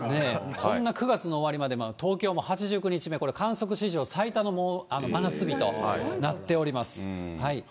こんな９月の終わりまで、東京も８９日目、これ観測史上、最多の真夏日となっております。